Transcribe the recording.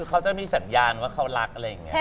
เขาจะมีสัญญาณว่าเขารัก